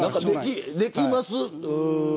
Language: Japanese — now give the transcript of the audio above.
できますか。